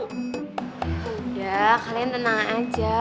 udah kalian tenang aja